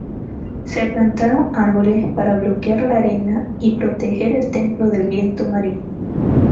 Se plantaron árboles para bloquear la arena y proteger el templo del viento marino.